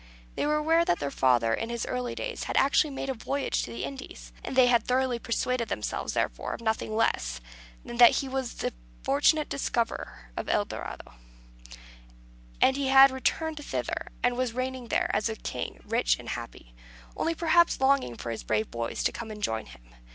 They were aware that their father in his early days had actually made a voyage to the Indies: and they had thoroughly persuaded themselves, therefore, of nothing less than that he was the fortunate discoverer of El Dorado; that he had returned thither, and was reigning there as a king, rich and happy only, perhaps, longing for his brave boys to come and join him.